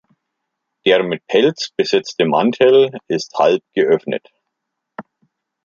Der mit Pelz besetzte Mantel ist halb geöffnet.